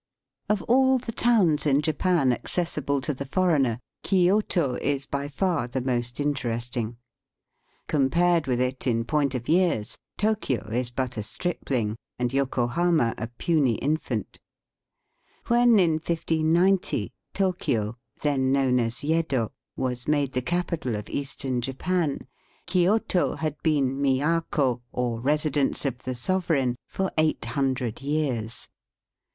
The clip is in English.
Of all the towns in Japan accessible to the foreigner Kioto is by far the most interesting. Compared with it, in point of years, Tokio is but a stripling, and Yokohama a puny infant. When, in 1690, Tokio (then known as ^Yedo) was made the capital of Eastern Japan, Kioto had been miyako, or residence of the sove reign, for eight hundred years.